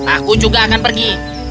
aku juga akan pergi